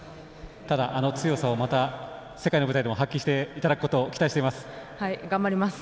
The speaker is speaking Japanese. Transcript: ただ、あの強さをまた世界の舞台でも発揮していただくこと期待しています。